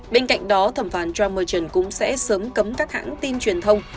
bên cạnh đó thẩm phán john merchant cũng sẽ sớm cấm các hãng tin truyền thông